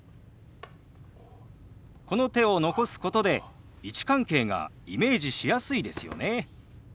この手を残すことで位置関係がイメージしやすいですよね。